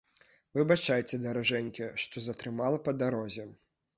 Выбачайце, даражэнькая, што затрымала на дарозе.